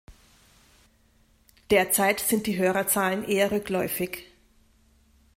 Derzeit sind die Hörerzahlen eher rückläufig.